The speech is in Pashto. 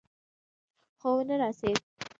خو ونه رسېد.